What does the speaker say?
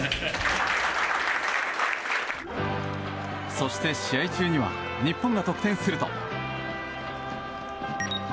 そして、試合中には日本が得点すると。